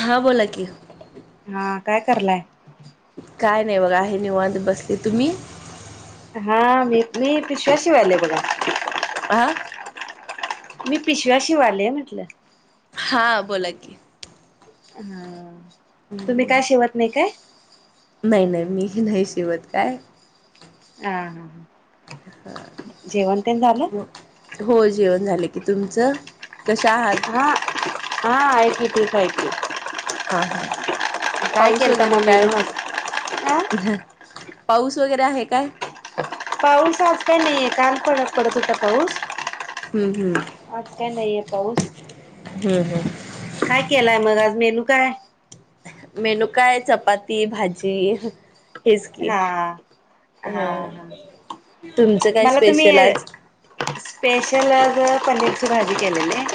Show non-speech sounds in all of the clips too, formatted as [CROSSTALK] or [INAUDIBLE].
हां, बोला की. हां, काय करालाय? काय नाय बघा, हे निवांत बसले, तुम्ही? हां, मी-मी पिशव्या शिवाले, बघा. आं? मी पिशव्या शिवालेय, म्हटलं. हां, बोला की. हं, तुम्ही काय शिवत नाही काय? नही-नही, मी हीं नही शिवत, काय? आहा ह, जेवण तेण झालं? हो, जेवण झालं की. तुमचं? कशा आहात? हां हां, ऐक ठीक, हाय की हां, हां काय पाऊस केलता वगैरे मग काय? मेनू आज? आ ह्हणं. पाऊस वगैरे, आहे काय? पाऊस आज काय नही, काल पडत-पडत होता पाऊस. हम्म हम्म आज काय नहीये पाऊस. हम हम. काय केलाय म, आज मेनू काय? मेनू काय, चपाती भाजी, ह्हणं. हेच की हा हा तुमचं काय मला तुम्ही स्पेशल आज? स्पेशल आज पनीरची भाजी केलीया मी.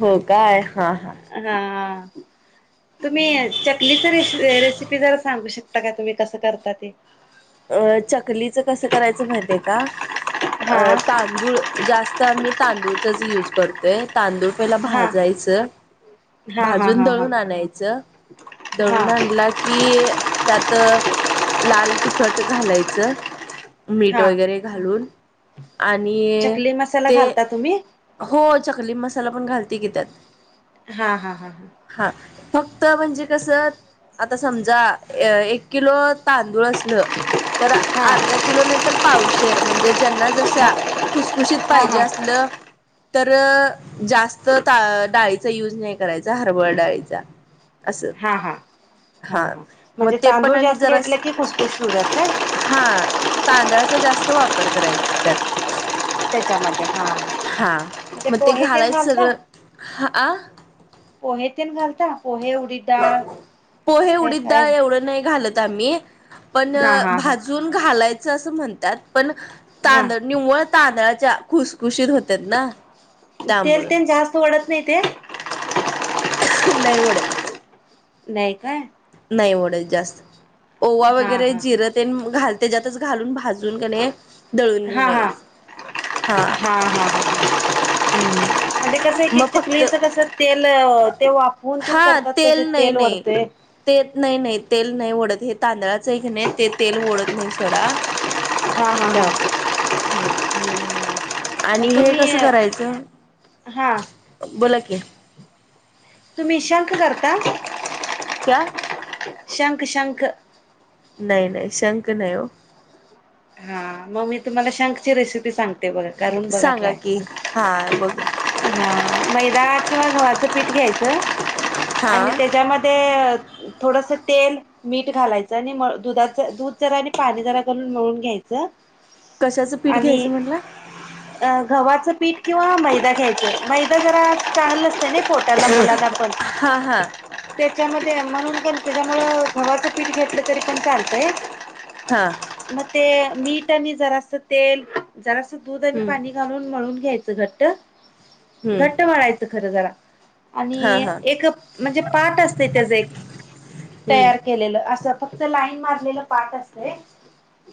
हो काय हा हा. हा तुम्ही चकलीच रेस रेसिपी जरा सांगू शकताय? तगा [UNINTELLIGIBLE] तुम्ही कसं करता ते. अ चकलीचं कसं करायचं माहित आहे का हा अ. तांदूळ जास्त आम्ही तांदूळचाच युज करतोय तांदूळ. पहिला हा भाजायचं. हा हा भाजून हा हा दळून आणायचं हा दळून आणला. कि त्यात लाल तिखट घालायचं. मीठ हा वगैरे घालून आणि ते मम्मी. हो चकली मसाला पण घालते की त्यात. हा हा हा हा. हा फक्त म्हणजे कसं आता समजा एक किलो तांदूळ असल तर हा हा अर्धा. किलो नाही तर पावशेर म्हणजे ज्यांना जशा खुसखुशीत हा पाहिजे हा असलं. तर जास्त डाळीचा युज नाही करायचा हरबरा डाळीचा. असं हा हा हा हा मग म्हणजे ते पण तांदूळ आणि जास्त जरा घेतले की खुशखुशीत होत्यात काय हा तांदळाचा जास्त वापर करायचा त्यात. त्याच्यामध्ये हां [UNINTELLIGIBLE] हा मग ते घालायचं सगळं हा. पोहे तेण घालता पोहे उडीद डाळ पोहे असं काय उडीद डाळ काय? एवढं नाही घालत आम्ही पण हा हा हा भाजून घालायचं असं म्हणतात. पण हा तांदळ निव्वळ तांदळाच्या खुसखुशीत होट्यात ना. तेल तेल त्यामुळं जास्त वाढत नाही ते नाही वाढत. नाही काय. नाही ओढत जास्त ओवा हा वगैरे हा हा जिरं तेन घाल त्याच्यातच घालून भाजून कने दळून घेऊन हा हा यायचं हा. [INAUDIBLE] हा हा हम्म म्हणजे कस एक एक मग फक्त चकलीच. तेल ते वाफवून तेन करतात त्याचे तेल वढतेंय. तेच नाही नाही तेल नाही ओढत हे तांदळाच आहे की नाही ते तेल ओढत नाही सोडा. ह [INAUDIBLE] त्यामुळे हम्म. आणि मग हे तुम्ही कसं करायचं? हा बोला की. तुम्ही शंक करता? क [UNINTELLIGIBLE] शंख शंख. नाही नाही शंक नाही हो. हा मग मी तुम्हाला शंखची रेसिपी सांगते. ते बघ [INAUDIBLE] करून बघा सांगा ट्राय. की हा [INAUDIBLE] बघ हा मैदा किंवा गव्हाच पीठ घ्यायचं. [INAUDIBLE] हा आणि त्याच्यामध्ये. थोडंसं तेल मीठ घालायचं आणि म दुधाचं दूध जरा आणि पाणी जरा घालून मिळून. घ्यायचं. कशाचं पीठ घ्यायचं म्हटला? अ गव्हाचं पीठ किंवा मैदा घ्यायचं मैदा जरा चांगलं असतय नाही पोटाला मुलांना पण हा हा त्याच्यामध्ये म्हणून [UNINTELLIGIBLE] त्याच्यामुळं गव्हाचं पीठ घेतलं तरी पण चालतंय हां मग ते मीठ आणि जरासं तेल जरास दूध आणि हम्म पाणी घालून मळून घ्यायचं घट्ट. घट्ट हम्म म्हळायचं खरं जरा हा आणि हा एक म्हणजे पाठ असते त्याच एक हम्म तयार केलेलं असं फक्त लाईन मारलेलं पाट असतंय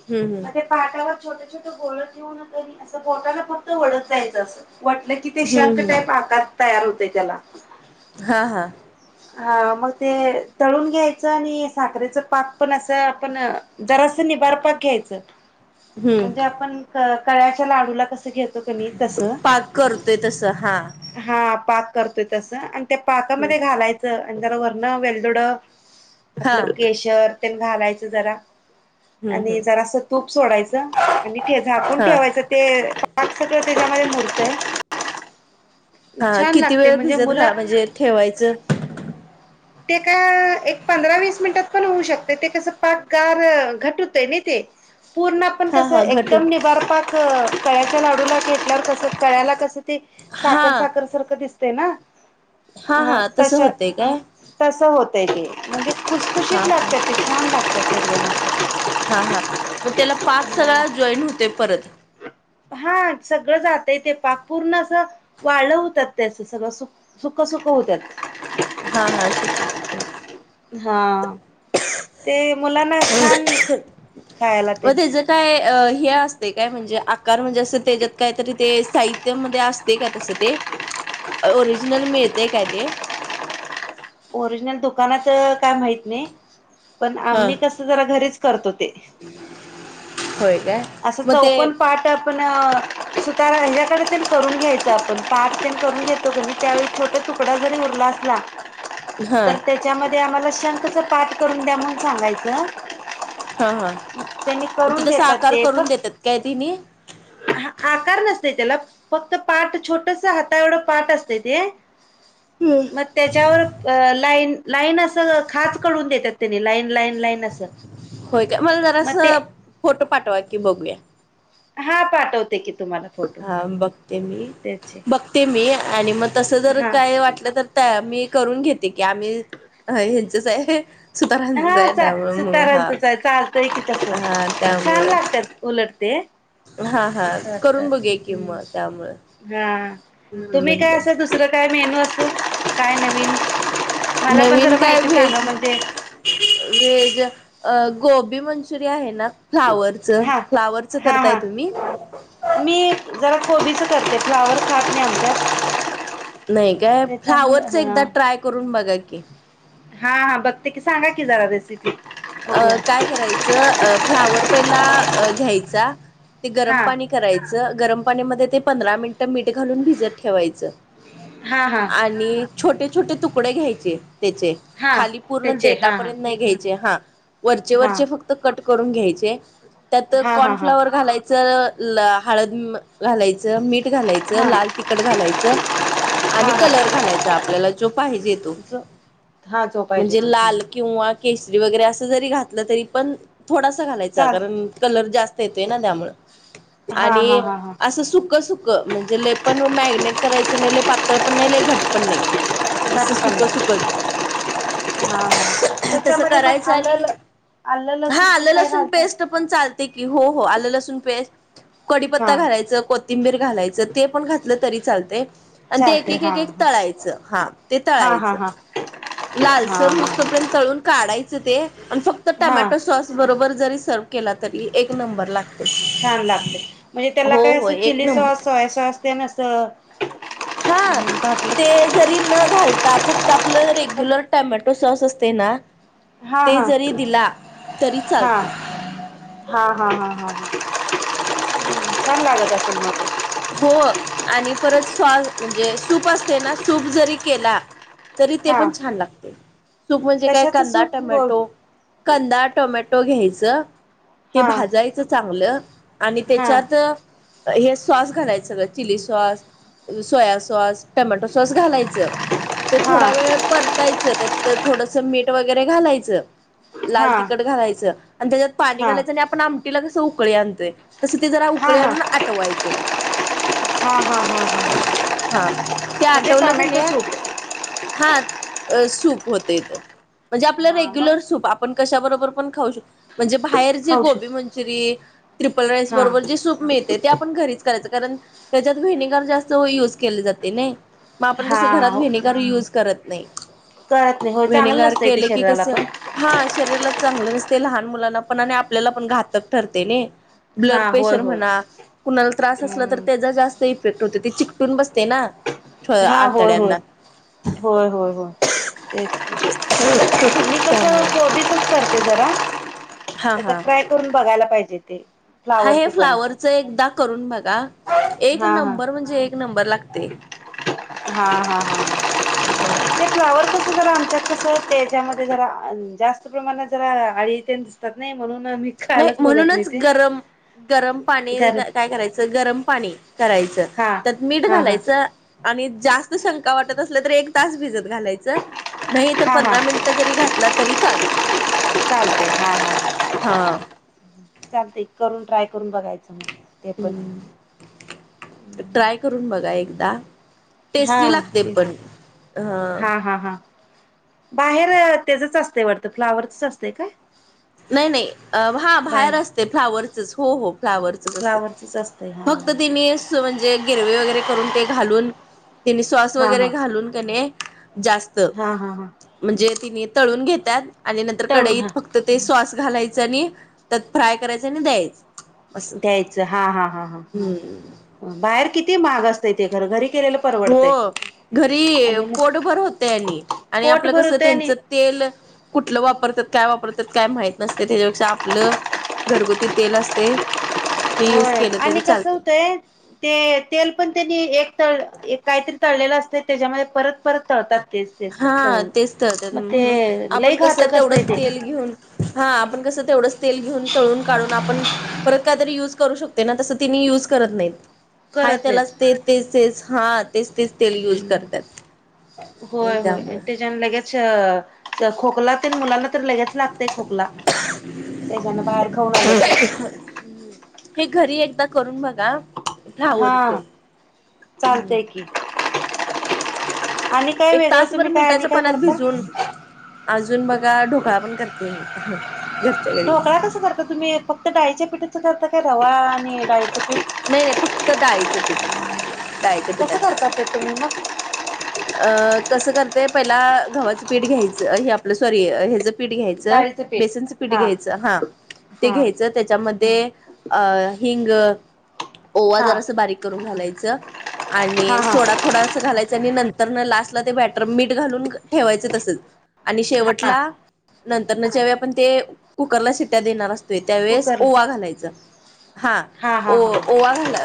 हम्म हम्म मग ते पाटावर छोटं छोटं गोळं ठेऊन तेन असं बोटानं फक्त वडत जायचं असं वडलं की ते शंख हम्म हम्म टाईप आकार तयार होतय त्याला. हा हा [INAUDIBLE] हा मग ते तळून घ्यायचं आणि साखरेचं पाक पण असं आपण जरासं निबार पाक घ्यायचं हम्म म्हणजे आपण कळ्याच्या लाडूला कस घेत तो कनी तसं पाक करतोय तसं हा हम्म हा पाक करतोय तसं आणि त्या पाकामध्ये घालाय चं आणि जरा वरनं वेलदोड हा आपलं केशर तेन घालायचं जरा हम्म आणि हम्म जरासं तूप सोडायचं आणि ठे झाकून हा ठेवायचं ते [INAUDIBLE] त्याच्यामध्ये मूरतय हा किती लागते वेळ म्हणजे भिजत मुलं घा म्हणजे ठेवायचं? ते का एक पंधरा वीस मिनिटात पण होऊ शकते ते कसं पाक गार घट्ट होतय नाही ते पूर्ण पण हा कस हा घटून एकदम निबार पाक कळ्याच्या लाडूला घेतल्यावर कस कळ्याला कसं ते हा साखर साखर सारखं दिस ते ना हा ह हा तसं होतंय तशं काय तसं होतय ते म्हणजे खुशखुशीत हा हा लागत ते छान लागतात ते हा हा मग त्याला पाक सगळा जॉईन होतोय परत हा सगळं जातय ते पाक पूर्ण असं वाळं होत्यात ते असं सगळं सुख सुखं सुखं होत्यात. हा हा सुखं सुखं. हा ते मुलांना छान खायला व तेन त्याचं काय हे असतय काय म्हणजे आकार म्हणजे असं त्याच्यात कायतरी ते साहि त्य मध्ये असते काय तसं ते ओरिजिनल मिळतय काय ते? ओरिजिनल दुकानात काय माहित नाही पण हा. आम्ही कसं जरा घरीच करतो ते. होय काय? असं मग ते चौकोण पाट ण सुतारा हेच्याकडं पण करून घ्यायचं आपण पाट तेन करून घेतो कनी त्यावेळी छोटं तुक डा जरी उरला असला हा तर त्याच्यामध्ये आम्हाला शंखचं पाठ करून द्या म्हणून सांगायचं. हा हा त्यांनी म ते करून तसं देतात आकार ते करून फक्त देतात काय तेनी? आकार नसतोय त्याला फक्त पाट छोटंसं हाता एवढं पाट असतय ते मग त्याच्यावर अ लाईन लाईन असं खाच करून देतात तेनी लाईन लाईन लाईन असं होय काय मला मग जरास ते फोटो पाठवा की बघूया हा पाठवते की तुम्हाला फोटो हा बघते मी त्याचे बघते मी आणि मग तस जर हा काय वाटलं तर मी करून घेते की आम्ही ह्याचच आहे. सुतारांचंच हा आहे चा त्यामुळे मग हा सुतारांचच चालयकी तस हा छान त्यामुळं लागतात उलटते हा हा मस्त करून वाटतात बघे कि मग त्यामुळं ह हा तुम्ही काय म्हटलं असं दुसरं काय मेनू असू काय नवीन मला पण नवीन जरा काय माहिती सांगा व्हेज म्हणजे व्हेज अ गोबी मंचुरिया आहे ना फ्लावरच हां फ्लावरचं हां करताय हां तुम्ही मी जरा कोबीचं करते फ्लावर काढन्याअगोदर नाही काय फ्लावरच एकदा हां ट्राय करून बघा की हा हा बघते की सांगा की जरा रेसिपी अ बघूया काय करायचं फ्लावर पहिला घ्यायचा ते गरम हां पाणी करायचं गरम पाणीमध्ये ते पंधरा मिनिटं मीठ घालून भिजत ठेवायचं हा हा आणि छोटे छोटे तुकडे घ्यायचे त्याचे हां खाली पूर्ण त्याचे हां हां डेटापर्यंत नाही घ्यायचे हा वरचे हां वरचे फक्त कट करून घ्यायचे त्यात हा हा हा कॉर्नफ्लवर घालायचं हळद घालायचं मीठ घालायचं हा लाल हा तिखट घालायचं आणि कलर हा घालायचा आपल्याला जो पाहिजे तो जो हा जो पाहिजे म्हणजे तो लाल हम्म. किंवा केसरी वगैरे अस जरी घातलं तरी पण थोडासा घालायचा चाल कारण कलर जास्त येतोय ना त्यामुळे हा हा हा असं सुकं सुक म्हणजे लै पण मॅरिनेट करायच नाही लै पातळ पण नाही घट पण नाही असं लटकन सुख सुखच हा हा तसं त्याच्यामध्ये मग करायचं आलं आणि ल आलं हा तेन आलं काय लसूण घालता पेस्ट कुठं पन‌ चालतंय कि हो हो आलं लसूण पेस्ट हा कढीपत्ता घालायचं कोथिं बीर घालायचं ते पण घातलं तरी चालते आणि ते एक चालते एक हा एक एक हा तळायचं हा ते हा हा तळायचं हा हा लालसर हुस हा तोपर्यंत तळून काढायचं ते आणि फक्त हा टमॅटो सॉस बरोबर जरी सर्व केला तरी एक नंबरला छान लागते म्हणजे त्याला काय हो असं एक chilli sauce number soya sauce ते अस हा ते जरी न घालता फक्त आपलं रेग्युलर टमॅटो सॉस असते ना हा ते हा जरी दिला तरी हा चालते हा हा हा हा [INAUDIBLE] छान लागत असेल मग हो आणि परत स्वास म्हणजे सूप असते ना सूप जरी केला तरी ते हा पण छान लागते सूप म्हणजे काय कशाचं कांदा सूप गो टमॅटो कंदा टोमॅटो घ्यायचं ते हा भाजायचं चांगलं आणि हां त्याच्यात हे सॉस घालायचं सगळं chilli sauce soya sauce tomato sauce घालायचं ते थोडा हां वेळ परत यच त्यात थोडंस मीठ वगैरेघालायचं लाल हां तिखट घालायचं आणि त्याच्यात पाणी हां घालायचं आणि आपण आमटीला कसं उकळी आणतोय तस ते जरा उकळी आणून आटवायचं हा हा हा ह हा ते आटवलं की टोमॅटो नई सूप हा सूप होते तर म्हणजे आपल्या हां मग रेग्युलर सूप आप आपण कशाबरोबर पण खाऊ शकत म्हणजे बाहेर जे खाऊ गोबी शक मंचुरीन ट्रिपल राईस हां बरोबर जे सूप मिळते ते आपण घरीच करायचं कारण त्याच्यात व्हिनेगर जास्त युज केले जाते नाही मग आपण घरात कसं हां विनेगर तर युज करत नाही, कळत नाही होय चांगलं व्हिनेगार नसतंय ते केले की शरीराला कस पण हा शरीराला चांगलं नसते लहान मुलांना पण आणि आपल्याला पण घातक ठरते ना ब्लड हां होय प्रेशर होय म्हणा कुणाला त्रास असला तर हम्म त्याचा जास्त इफेक्ट होते ते चिकटून बसते ना हां होय होय आतड्यांना होय होय होय तेच की मी पण त्यामुळं कस करते जरा, हा एकदा हा ट्राय करून बघायला पाहिजे ते. हा हे फ्लावरचं पण असं फ्लावरच एकदा करून बघा एक हां नंबर म्हणजे एक नंबर लागते. हा हा हा फ्लावर कस जरा आमच्यात कस त्याच्यामध्ये जरा जास्त प्रमाणात जरा अळी येते येतात ना म्हणून आम्ही नाही म्हणूनच गरम, गरम पाणीनी गरम काय करायचं गरम पाणी करायचं हा त्यात मीठ हा हा घालायचं आणि जास्त शंका वाटत असल्या तर एक तास भिजत घालायचं नाही तर हा हा पंधरा मिनटं जरी घातलं तरी चालत चालतंय हा हा ह हा चालते करून ट्राय करून बघायचं मग ते पण हम्म ट्राय करून बघा एकदा हा टेस्टी लागते तेच पण हा हा हा बाहेर तेचंच असते वाटत फ्लावरच असते का? नाही नाही हा बाहेर असते फ्लावरचच हो हो फ्लावरचच असतंय फ्लावरचच असतंय हा. म्हणजे गिरवे वगैरे करून ते घालून त्या सॉस हा वगैरे हा घालून की नाही जास्त हा हा हा म्हणजे तिने तळून घेतात आणि नंतर तळून हा कडईत फक्त ते सॉस घालायचं आणि त्यात फ्राय करायचं आणि द्यायचं द्यायचं हा हा ह ह हम्म. बाहेर किती महाग असतय ते घर घरी केलेलं परवडतंय हो घरी आणि मग पोटभर होतय आणि, आणि पोट आपलं कसं भरवतय त्यांच आणि तेल कुठलं वापरतात काय वापरतात काय माहत नसत त्याच्यापेक्षा आपलं घरगुती तेल असते ते युज होय केलं आणि तरी कस चालते. होतंय ते तेल पण त्यांनी एक तळ काहीतरी तळलेलं असत त्याच्यामध्ये परत परत तळतात तेच तेच हा तळून तेच तर मग ते म्हणून आपण लई कसं घातक असतय तेवढंच ते तेल घेऊन हा आपण कसं तेवढंच तेल घेऊन तळून काढून आपण परत काय तरी युज करू शकते ना तसं तेनि युज करत नाहीत. हाय करत त्यालाच नाहीत ते तेच तेच हा तेच तेच तेल यूज हम्म करत्यात. होय होय आणि त्याच्यान लगेच खोकला ते मुलांना तर लगेच लागतय खोकला त्याच्यान बाहेर खाऊन आलं की हम हे घरी एकदा करून बघा हा फ्लावरचं हम्म. चालतय की आणि काय एक वेगळं तासभर तुम्ही काय आणि मिठाच्या काय पाण्यात करता. भिजून अजून बघा ढोकळा पण करते मी घरच्या घरी ढोकळा कस करता तुम्ही [INAUDIBLE] फक्त डाळीच्या पीठाचं करता काय रवा आणि डाळीचं पीठ नाही नाही फक्त डाळीचं पीठ डाळीच्या कसं करता पिठाचच ते तुम्ही मग? अ कसं करते पहिला गव्हाचं पीठ घ्यायचं हे आपलं सॉरी हेच पीठ पीठ घ्यायचं डाळीचं बेसनचं पीठ हा घ्यायचं हा ते हा घ्यायचं त्याच्या मध्ये अ हिंग ओवा हा जरासं बारीक करून घालायचं आणि हा हा सोडा थोडासं घालायचं आणि नंतरन लास्टला ते बॅटर मीठ घालून ठेवायच तसच आणि हा शेवटला नंतरन ज्यावेळी आपण ते कुकरला शिट्या देणार असतोय. त्यावेेळेस कुकरला ओवा घालायच हा ओ हा हा ओवा घाला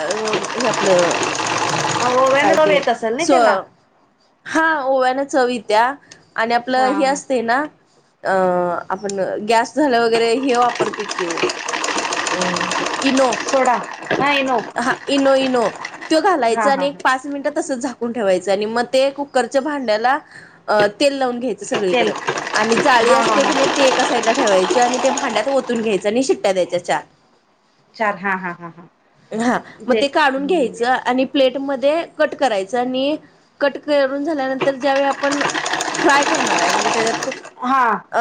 हे आपलं ओव्यान काय रव ते येत असेल ना सो त्याला हा ओव्यान चव येत्या आणि आपलं हा हे हा असतय ना अं आपण गॅस झाल्यावर वगैरे हे वापरतोय की ओ अ इनो सोडा नाही नो हा इनो इनो तो घालायच हा हा आणि एक हा पाच मिनिट तसच झाकुन झाकून ठेवायच आणि म ते कुकरच्या भांड्याला तेल लावून घ्यायच. सगळीकड तेल आणि जाळी हा हा असते की नाही हा ते एका साईडला ठेवायच आणि ते भांड्यात ओतून घ्यायचं आणि शिट्ट्या द्यायच्या चार चार हा हा हा हा हा म ते काढून घ्यायचं आणि प्लेट मध्ये कट करायच आणि कट करून झाल्या नंतर ज्यावेळी आपण फ्राय करणार आहे म्हणजे त्याच्यात हा अ,